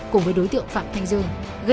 cùng với đối tượng hoàng văn khuê